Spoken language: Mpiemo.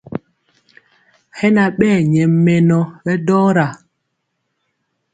Hɛ na ɓɛɛ nyɛ mɛnɔ ɓɛ dɔra.